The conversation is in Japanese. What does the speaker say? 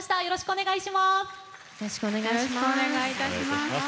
よろしくお願いします。